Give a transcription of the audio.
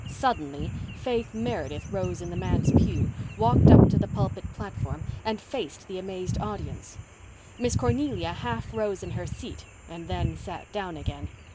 Suddenly Faith Meredith rose in the manse pew, walked up to the pulpit platform, and faced the amazed audience. Miss Cornelia half rose in her seat and then sat down again.